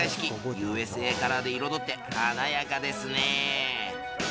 ＵＳＡカラーで彩って華やかですね。